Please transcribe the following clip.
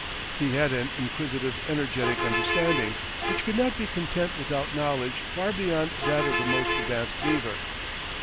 He had an inquisitive, energetic understanding, which could not be content without knowledge far beyond that of the most advanced beaver.